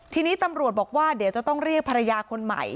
ทีนี้ตำรวจบอกว่าเดี๋ยวจะต้องเรียกภรรยาคนใหม่